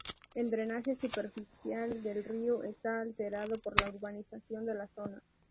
El drenaje superficial del río está alterado por la urbanización de la zona.